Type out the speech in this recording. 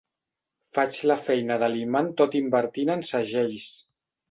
Faig la feina de l'imant tot invertint en segells.